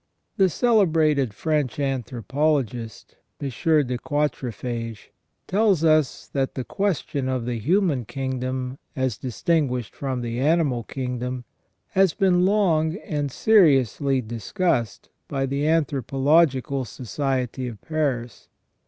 The celebrated French anthropologist, Monsieur De Quatrefages tells us, that the question of the human kingdom as distinguished from the animal kingdom has been long and seriously discussed by the Anthropological Society of Paris.